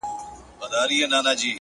زه تر هغه گړيه روح ته پر سجده پرېوځم!!